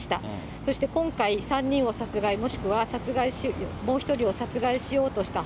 そして今回、３人を殺害、もしくは殺害、もう１人を殺害しようとした。